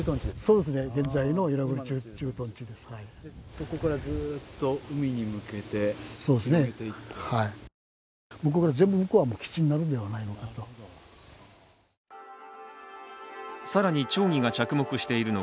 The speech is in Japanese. そこからずっと海に向けて広げていくと。